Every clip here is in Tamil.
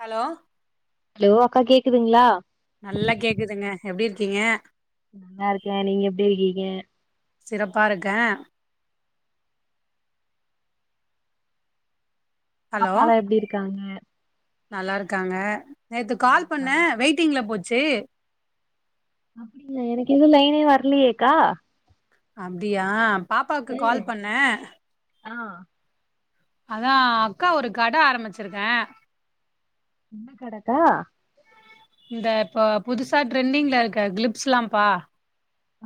ஹலோ ஹலோ அக்கா கேக்குதுங்ளா நல்லா கேக்குதுங்க எப்டி இருக்கீங்க நல்லா இருக்கே நீங்க எப்டி இருக்கீங்க சிறப்பா இருக்கே ஹலோ பாப்பாலா எப்டி இருக்காங்க நல்லா இருக்காங்க நேத்து நல்லா கால் பண்ணே இருக்காங்க வெயிட்டிங்ல போச்சு அப்டிங்ளா எனக்கு எதுவு லைனே வர்லியேக்கா அப்டியா பாப்பாக்கு ம் கால் பண்ணே ஆ அதா அக்கா ஒரு கட ஆரம்பிச்சிருக்கே என்ன கடக்கா இந்த இப்போ புதுசா ட்ரெண்டிங்ல இருக்க க்ளிப்ஸ்லாம்ப்பா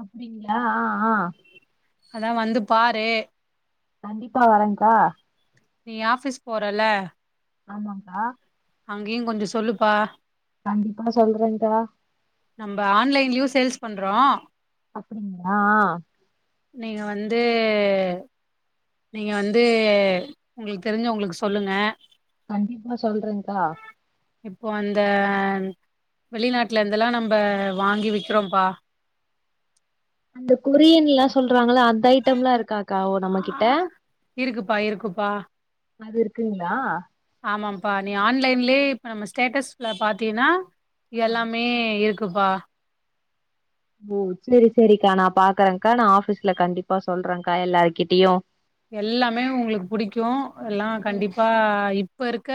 அப்டிங்ளா ஆ ஆ அதா வந்து பாரு கண்டிப்பா வரங்கா நீ ஆஃபீஸ் போரல்ல ஆமாங்கா அங்கியுங் கொஞ்சோ சொல்லுப்பா கண்டிப்பா சொல்றேங்க்கா நம் ஆன்லைன்லியு சேல்ஸ் பண்றோ அப்படிங்ளா ஆ ஆ நீங்க வந்து நீங்க வந்து உங்களுக்கு தெரிஞ்சவங்களுக்கு சொல்லுங்க கண்டிப்பா சொல்றேங்க்கா இப்போ அந்த வெளிநாட்ல இருந்தெல்லா நம்ப வாங்கி விக்கிறோம்ப்பா அந்த கொரியன்லா சொல்றாங்கள அந்த ஐட்டம்லா இருக்காக்கா ஓ நம்ம கிட்ட இருக்குப்பா இருக்குப்பா அது இருக்குங்களா ஆமாப்பா நீ ஆன்லைன்லே இப்ப நம்ம ஸ்டேட்டஸ்ல பாத்தீன்னா ஆ எல்லாமே இருக் குபா ஓ செரி செரிக்கா ந பாக்குறேங்க்கா நா ஆபீஸ்ல கண்டிப்பா சொல்றேங்க்கா எல்லாருகிட்டியு எல்லாமே உங்குளுக்கு புடிக்கு எல்லா ம் கண்டிப் பா இப்போ இருக்க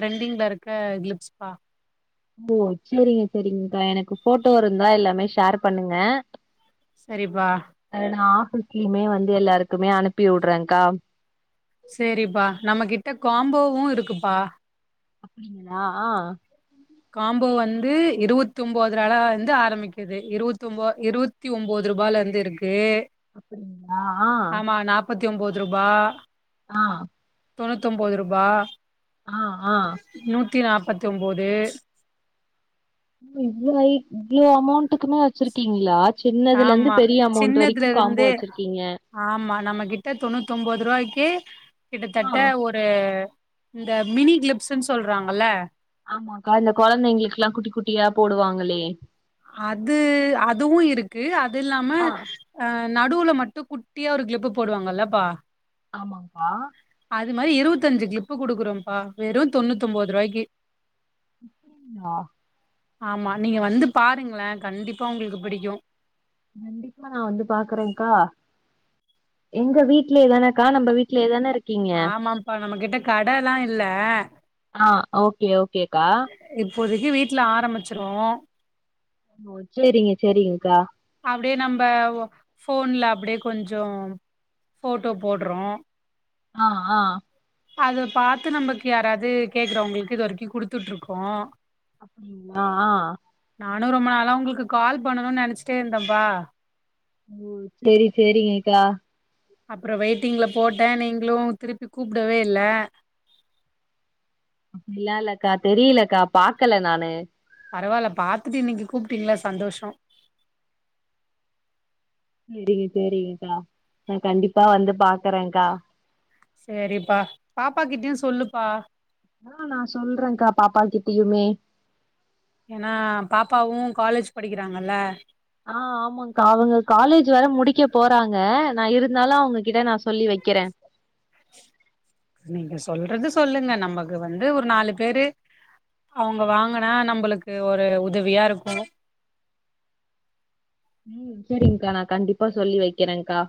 ட்ரெண்டிங்ல இருக்க க்ளிப்ஸ்பா ஓ செரிங்க செரிங்க்கா எனக்கு ஃபோட்டோ இருந்தா எல்லாமே ஷேர் பண்ணுங்க செரிப்பா அத ந ஆஃபீஸ்லியுமே வந்து எல்லாருக்குமே அனுப்பி வுட்றேன்க்கா செரிப்பா நம்மகிட்ட காம்போவு இருக்குப்பா அப்படிங்ளா ஆ காம்போ வந்து இருவத்தி உம்போத்ரால வந்து ஆரம்பிக்கிது இருவத்தி உம்போ இருவத் தி உம்போதுருபாலந்து இருக்கு அப்டிங்களா ஆ ஆமா நாப்பத்தி உம்போதுருபா ஆ தொண்ணூத்தும்போதுருபா ஆ ஆ நூத்தி நாப்பத்தி உம்போது இவ்ளோ ஐ இவ்வளோ அமௌண்ட்டுக்குமே வெச்சிருக்கீங்ளா சின்னதுல இருந்து ஆமா பெரிய அமௌண்ட் சின்னதுல வரைக்கு காம்போ இருந்தே வச்சிருக்கீங்க ஆமா நம்ம கிட்ட தொண்ணூத் தொம்பதிருபாயிக்கு ரூபாய்க்கு ஆ கிட்டத்தட்ட ஒர் ஒரு இந்த மினி கிளிப்ஸ்ன்னு சொல்றாங்கல்ல ஆமாக்கா இந்த குழந்தைங்களுக்குலா குட்டி குட்டியா போடுவாங்களே அது அதுவு இருக்கு அது இல்லாம ஆ அ நடுவுல மட்டு குட்டியா ஒரு கிளிப்பு போடுவாங்கல்லப்பா ஆமாங்ப்பா அது மாரி இருபத்தஞ்சு கிளிப்பு குடுக்குறோம்ப்பா வெறு தொண்ணூத்தொம்பரூபாய்க்கு [unintelligible] ஆ ஆமா நீங்க வந்து பாருங்களே கண்டிப்பா உங்களுக்கு பிடிக்கு கண்டிப்பா நா வந்து பாக்குறேன்கா எங்க வீட்லயே தானக்கா நம்ம வீட்லயே தானே இருக் ஆமாப்பா நம்மகிட்ட கடைல்லா இல்ல ஆ ஓகே ஓகேக்கா இப்போதைக்கு வீட்ல ஆரம்பிச்சிருவோ ஓ செரிங்க செரிங்க கா அப்டியே நம்ம போன்ல அப்டியே கொஞ்சோ போட்டோ போட்றோ ஆ ஆ அத பாத்து நமக்கு யாராவது கேக்குறவங்களுக்கு இது வரைக்கு குடுத்துட்டு இருக்கோ ஆ ஆ நானு ரொம்ப நாளா உங்களுக்கு கால் பண்ணணும்னு நெனைச்சுட்டே இருந்தப்பா ம் செரி செரிங்க கா அப்ற வெயிட்டிங்ல போட்ட நீங்களு திருப்பி கூப்டவே இல்ல அப்டில்லா இல்லக்கா தெரியலக்கா பாக்கல நானு பரவாயில்ல பாத்துட்டு இன்னைக்கு கூப்பிட்டீங்களா சந்தோசோ செரிங்க செரிங்க்கா நா கண்டிப்பா வந்து பாக்குறேகா செரிப்பா பாப்பா கிட்டுயு சொல்லுப்பா ஆ நா சொல்றகா பாப்பா கிட்டயுமே ஏன்னா பாப்பாவு காலேஜ் படிக்கிறாங்கல்ல ஆ ஆமாக்கா அவங்க காலேஜ் வேற முடிக்க போறாங்க நா இருந்தாலு அவங்ககிட்ட நா சொல்லி வைக்கிறே நீங்க சொல்றது சொல்லுங்க நமக்கு வந்து ஒரு நாலு பேரு அவங்க வாங்கனா நம்மளுக்கு ஒரு உதவியா இருக்கு ம் செரிங் கா நா கண்டிப்பா சொல்லி வைக்கிறேகா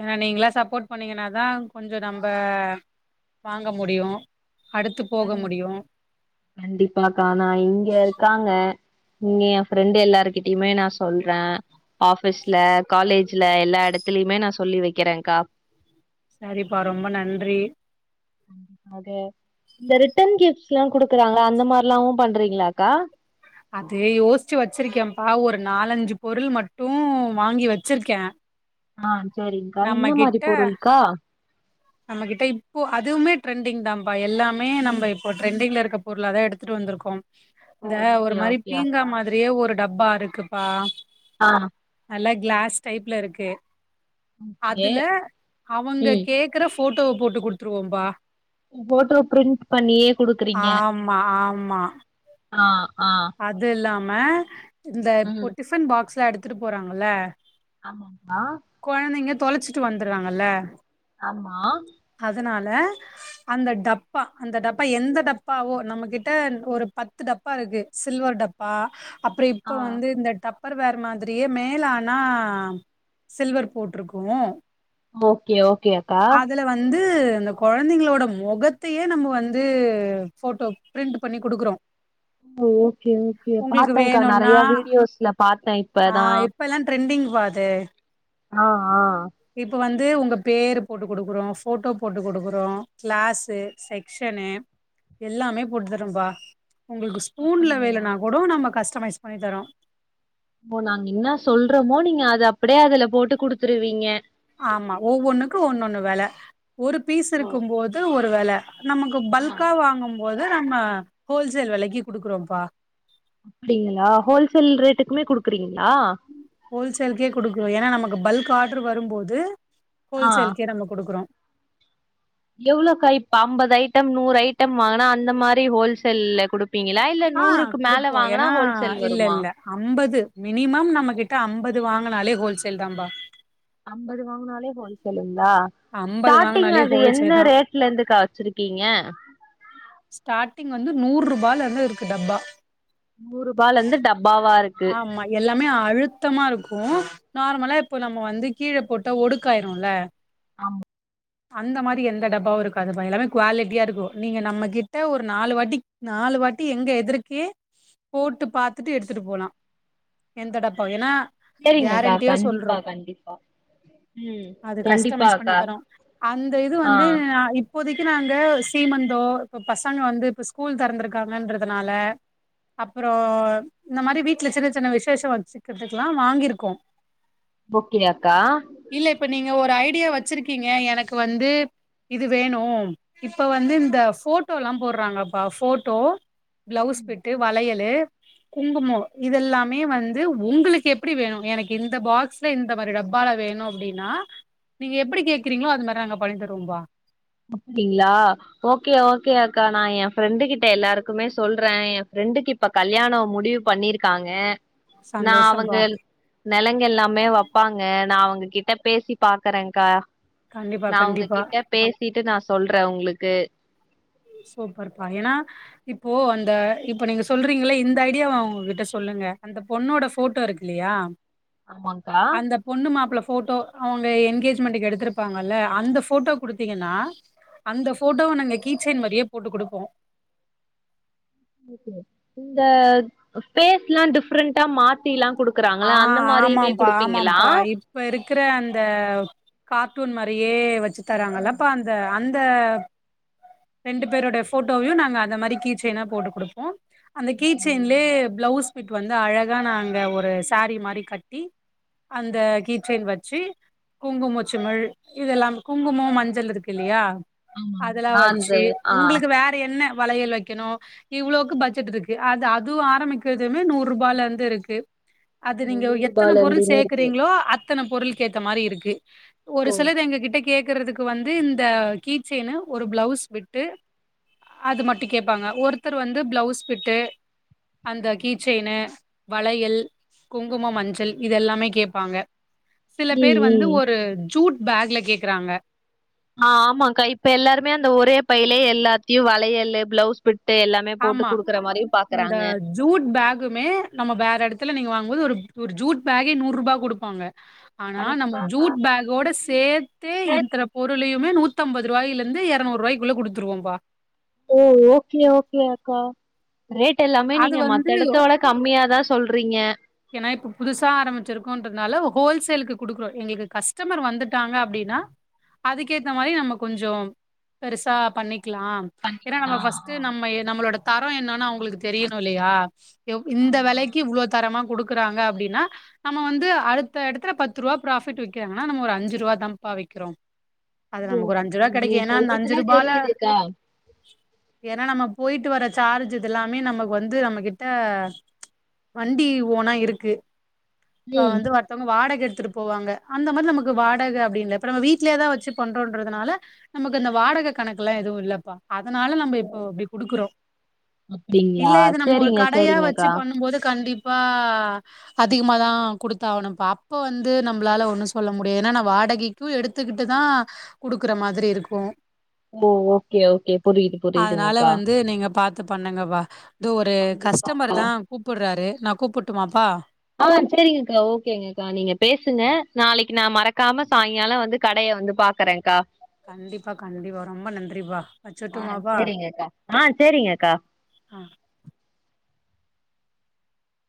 ஏன்னா நீங்களா சப்போர்ட் பண்ணீங்கன்னாதா கொஞ்ச நம்ம வாங்க முடியு அடுத்து போக முடியு கண்டிப்பா கா ஆனா இங்க இருக்காங்க இங்க என் ஃப்ரெண்டு் எல்லாருகிட்டயுமே நா சொல்ற ஆஃபீஸ்ல காலேஜ்ல எல்லா எடத்துலயுமே நா சொல்லி வைக்கிறேகா சரிப்பா ரொம்ப நன்றி கண்டிப்பாக இந்த ரிட்டன் கிஃப்ட்ஸ்ல்லா குடுக்குறாங்கள அந்த மாதிரில்லாவும் பண்றீங்களாக்கா அதே யோசிச்சு வச்சிருக்கேன்ப்பா ஒரு நாலஞ்சு பொருள் மட்டு வாங்கி வச்சிருக்க ஆ செரிங்கா என்ன மாரி பொருள்கா நம்மகிட்ட இப்போ அதுவுமே ட்ரெண்டிங் தான்ப்பா எல்லாமே நம்மப ம் இப்போ டரெண்டிங்ல இருக்க பொருளாதா எடுத்துட்டு வந்திருக்கோ ஓ இந்த ஒரு ஓகே மாரி ஓகே பீங்கா அக்கா மாதிரியே ஒரு டப்பா இருக்குப்பா ஆ நல்ல கிளாஸ் டைப்ல இருக்கு ஓகே அதுல அவங்க ம் கே க்குற போட்டோவ போட்டு குடுத்துருவோம்பா போட்டோ பிரிண்ட் பண்ணியே குடுக்குறீங்க ம்மா ஆமா ஆ ஆ அது இல்லாம இந்த இப்போ ம் டிஃபன் பாக்ஸ்ல எடுத்துட்டு போறாங்கள ஆமா பா கொழந்தைங்க தொலைச்சிட்டு வந்துருராங்கல்ல ஆமா அதனால அந்த டப்பா அந்த டப்பா எந்த டப்பாவோ நம்ம கிட்ட ஒரு பத்து டப்பா இருக்கு சில்வர் டப்பா அப்புற ஆ இப்ப வந்து இந்த டப் பர் வேற மாதிரியே மேல ஆனா சில்வர் போட்டுருக்கோ ஓகே ஓகே அக்கா அதுல வந்து இந்த கொழந்தைங்களோட மொகத்தையே நம்ம வந்து ஃபோட்டோ பிரிண்ட் பண்ணி குடுக்குறோ ஓகே ஓகே உங்களுக்கு பாத்தே அக்கா வேணும்னா நெறைய வீடியோஸ்ல பாத்தெ இப்பதா இப்ப எல்லா ட்ரெண்டிங் பா அது ஆ ஆ இப்ப வந்து உங்க பேரு போட்டு குடுக்குறோ போட்டோ போட்டு குடுக்குறோ கிளாஸு செக்ஷனு எல்லாமே போட்டு தரும்பா உங்ளுக்கு ஸ்பூன்ல அப்படிங்களா வேலுனா கூடோ நம்ம கஸ்ட்டமைஸ் பண்ணித்தரோ ஓ நாங்க இன்னா சொல்றோமோ நீங்க அத அப்டியே அதுல போட்டு குடுத்துருவீங்க ஆமா ஒவ்வொண்ணுக்கு ஒன்னொண்ணு வெல ஒரு பீஸ் ஓ இருக்கும்போது ஒரு வெல நமக்கு இப்போ ஆ பல்கா வாங்கும் போது நம்ம ஹோல்சேல் வெலைக்கி குடுக்குறோம்ப்பா அப்டிங்களா ஹோல்சேல் ரேட்டுக்குமே குடுக்குறீங்களா ஹோல்சேல்கே குடுக்குறோ ஏன்னா நமக்கு பல்க் ஆர்ட்ரு வரும்போது ஆ ஹோல்சேலுக்கே நம்ம குடுக்குறோ எவ்ளோக்கா இப்ப அம்பது ஐட்டம் நூறு ஐட்டம் வாங்கனா அந்த மாரி ஹோல்சேல்ல குடு விப்பீங்களா இல்ல ஆ நூறுக்கு மேல குடுப்போ வாங்கனா ஏன்னா ஹோல்சேல் இல்ல வருமா இல்ல அம்பது மினிமம் நம்ம கிட்ட அம்பது வாங்கனாலே ஹோல்சேல் தாம் பா அம்பது வாங்கனாலே ஹோல்சேலுங்களா அம்பது ஸ்டார்டிங் வாங்குனாலே அது ஹோல்சேல் என்ன தா ரேட் ட்ல இருந்துக்கா வச்சிருக்கீங்க ஸ்டார்டிங் வந்து நூறு ரூபால இருந்து இருக்கு டப்பா நூறு ரூபால இருந்து டப்பாவா இரு ஆமா எல்லாமே அழுத்தமா இருக்கு நார்மலா இப்போ நம்ம வந்து கீழ போட்ட ஒடுக்காயிருல்ல ஆமா அந்த மாரி எந்த டப்பாவு இருக்காதுப்பா எல்லாமே குவாலிட்டியா இருக்கு நீங்க நம்ம கிட்ட ஒரு நாலு வாட்டி நாலு வாட்டி எங்க எதுருக்கே போட்டு பாத்துட்டு எடுத்துட்டு போலா எந்த டப்பா ஏன்னா செரிங்கக்கா கேரண்டியா கண்டிப்பா சொல்றோ கண்டிப்பா ம் அது கண்டிப்பா கஸ்டமைஸ் பண்ணி அக்கா தரோ அந்த இது ஆ வந்து நா இப் போதைக்கு நாங்க சீமந்தோ இப்ப பசங்க வந்து இப்ப ஸ்கூல் தெறந்திருக்காங்கன்றதுனால அப்புறோ இந்த மாரி வீட் ட்ல சின்ன சின்ன விசேஷ வச்சிக்கிறதுக்கலா வாங்கியிருக்கோ ஓகே அக்கா இல்ல இப்ப நீங்க ஒரு ஐடியா வச்சிருக்கீங்க எனக்கு வந்து இது வேணும் இப்போ வந்து இந்த ஃபோட்டோலாம் போட்றாங்கப்பா ஃபோட்டோ பிளவுஸ் பிட்டு வளையலு குங்குமோ இதெல்லாமே வந்து உங்களுக்கு எப்டி வேணும் எனக்கு இந்த பாக்ஸ்ல இந்த மாரி டப்பால வேணும் அப்டின்னா நீங்க எப்டி கேக்குறீங்களோ அது மாரி நாங்க பண்ணி தருவோம் பா அப்டிங்களா ஓகே ஓகே அக்கா நான் என் ஃப்ரெண்டு கிட்ட எல்லாருக்குமே சொல்றன் என் ஃப்ரெண்டுக்கு இப்ப கல்யாணம் முடிவு பண்ணிருக்காங்க நான் அவுங்க சந்தோஷம்பா நலங்கு எல்லாமே வெப்பாங்க நான் அவங்க கிட்ட பேசி பாக்குறேன்கா கண்டிப்பா நான் கண்டிப்பா அவங்ககிட்ட பேசிட்டு நான் சொல்றன் உங்களுக்கு சூப்பர் பா ஏனா இப்போ அந்த இப்போ நீங்க சொல்றீங்கள இந்த ஐடியாவ அவுங்க கிட்ட சொல்லுங்க அந்த பொண்ணோட போட்டோ இருக்குல்லையா ஆமாகா பொண்ணு மாப்ல போட்டோ அவங்க என்கேஜ்மெண்ட்க்கு எடுத்திருப்பாங்கல்ல அந்த போட்டோ குடுத்தீங்கன்னா அந்த போட்டோவ நாங்க கீச்சைன் மாரியே போட்டு கொடுப்போம் இந்த பேஸ் லா டிஃப்ரெண்டா மாத்திலாம் குடுப் ஆ குடுக்குறாங்களா அந்த மாரியுமே ஆமாம்ப்பா குடுப்பீங்களா ஆமாம்ப்பா இப்ப இருக்கிற அந்த கார்டூன் மாரியே வச்சு ம் தராங்களப்பா இந்த அந்த ரெண்டு பேருடைய போட்டோயும் நாங்க அந்த மாரி கீ செய்யினா போட்டு கொடுப்போம் அந்த கீ அப்டிங்களா செயின்லயே ப்ளௌசு பிட் வந்து அழகா நாங்க ஒரு சாரி மாரி கட்டி அந்தக் கீ செயின் வெச்சு குங்குமச்சிமிழ் இதெல்லாம் குங்குமொ மஞ்சள் இருக்கு இல்லையா ஆமாங்க அதெல்லாம் நான் அந்த வச்சு ஆ உங்ளுக்கு வேற என்ன வளையல் வெக்கணு இவ்வளொக்கு பட்ஜெட் இருக்கு அது அதுவும் ஆரம்பிக்கிறதுமே நூறு ரூபாயல இருந்து இருக்கு அது நீங்க எத்தன நூறுபால பொருள் இருந்துமே இருக்கு சேர்க்கறீங்களோ அத் த்தன பொருள்கு ஏத்த மாரி இருக்கு ஒரு ஓ சிலது எங்க கிட்ட கேக்குறதுக்கு வந்து இந்த கீச்செய்னு ஒரு ப்ளௌவுஸ் பிட்டு அது மட்டும் கேப்பாங்க ஒருத்தர் வந்து ப்ளௌவுஸ் பிட்டு அந்த கீ செயினு வளயல் குங்குமோ மஞ்சள் இதெல்லாமே கேப்பாங்க சில ம் பேர் வந்து ம் ஒரு ஜூட் பேக்ல கேக்குறாங்க ஆ ஆமாக்கா இப்ப எல்லாருமே அந்த ஒரே பையிலே எல்லாத்தையும் வளையல் ப்ளௌவுஸ் வபிட்டு எல்லா மே போட்டு ஆமா குடுக்குற மாரி இந்த பாக்குறாங்க ஜூட் பேக்குமே நம்ம வேற இடத்துல நீங்க வாங்கும்மோது ஒரு ஒரு ஜூட் பேக்கே நூறு ரூபாய் குடுப்பாங்க ஆனா நம்ம கண்டிப்பாக்கா ஜூட் பேக்கோட சேர்த்தே சேர் இந்தப் பொருலையுமே நூத்தம்பது ரூபாய்ல இருந்து இருநூறுபாய்குள்ள குடுத்துருவோம்பா ஓ ஓகே ஓகே அக்கா ரேட் எல்லாமே அது நீங்க வந்து மத்த இடத்தோட கம்மியாதா சொல்றீங்க ஏன்னா இப்ப புதுசா ஆரம்பிச்சிருக்கோன்றதுனால ஹோல்சேலுக்கு குடுக்குறோம் எங்களுக்கு கஸ்டமர் வந்துட்டாங்க அப்டின்னா அதுக்கேத்த மாரி நம்ம கொஞ்ஜோம் பெருசா பண்ணிக்கலாம் ஏன்னா நம்ம பண்ணிக்கலா பர்ஸ்ட்ட் நம்ம நம்ளோட தரம் என்னன்னோ அவங்களுக்கு தெரியணும் இல்லையா இந்த ஆமா வெலைக்கு இவ்ளோவு தரமா குடுக்குறாங்க அப்டின்னா நம்ம வந்து அடுத்த எடத்துல பத்து ரூபா ப்ராஃபிட் வைக்கிறாங்கன்னா நம்ம ஒரு அஞ்சு ரூபா தான்ப்பா வைக்கிறோ அது நமக்கு ஒரு அஞ்சு ரூபா நீங்க கிடைக்குன்னா அந்த அஞ்சு சொல்றதுலே ரூபால தெரியுதுக்கா ஏன்னா நம்ம போயிட்டு வர்ர சார்ஜ் இது எல்லாமே நமக்கு வந்து நம்ம கிட்ட வண்டி ஓனா இருக்கு இப்ப ம் வந்து த்தவங்க வாடகை எடுத்துட்டு போவாங்க அந்த மாதிரி நமக்கு வாடகை அப்டி இல்ல இப்ப நம்ம வீடலயேதா வச்ச பண்றோன்றதுனால நமக்கு அந்த வாடகை கணக்கு எல்லா எதுவு இல்லப்பா அதனால நம்ம இப்போ இபடி குடுக்குறோ இல்ல அப்டிங்களா இது நம்ம ஒரு சேரிங்க கடையா வச்சு சேரிங்கக்கா பண்ணும் போது கண்டிப்பா அதிகமாதா குடுத்தாகணுப்பா அப்ப வந்து நம்மளால ஒண்ணு சொல்ல முடியு ஏனா வாடகைக் கு எடுத்துக்கிட்டுதா குடுக்குற மாதிரி இருக்கு ஓ ஓகே ஓகே புரியுது புரியுதுங்கக்கா இது நீங்க பாத்து பண்ணுங்கப்பா இது ஒரு கண்டிப்பாக்கா கஸ்டமர்தா கூப்பிடுறாரு நா கூப்புட்டுமாப்பா ஆ சரிங்கக்கா ஓகேங்கக்கா நீங்க பேசுங்க நாளைக்கி நா மறக்காம சாய்ங்காலம் வந்து கடய வந்து பாத் தக்கறேன்கா கண்டிப்பா கண்டிப்பா ரொம்ப நன்றிப்பா ஆ வச்சுட்டுமாப்பா சேரிங்கக்கா ஆ சேரிங்கக்கா ஆ